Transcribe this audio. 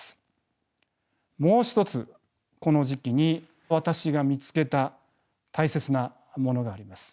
もう一つこの時期に私が見つけた大切なものがあります。